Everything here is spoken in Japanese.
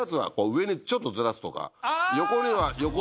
横にちょっとずらすとか。